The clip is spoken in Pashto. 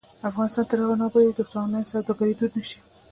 افغانستان تر هغو نه ابادیږي، ترڅو آنلاین سوداګري دود نشي.